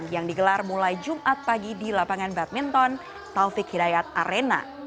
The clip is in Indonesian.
yang digelar mulai jumat pagi di lapangan badminton taufik hidayat arena